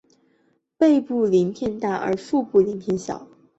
背部鳞片大而腹部鳞片小。